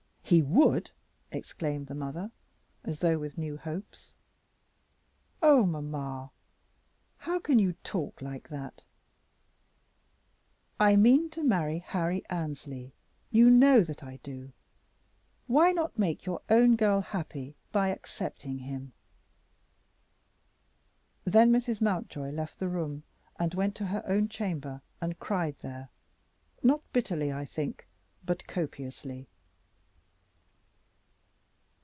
"He would," exclaimed the mother, as though with new hopes. "Oh, mamma! how can you talk like that? I mean to marry Harry Annesley; you know that I do. Why not make your own girl happy by accepting him?" Then Mrs. Mountjoy left the room and went to her own chamber and cried there, not bitterly, I think, but copiously.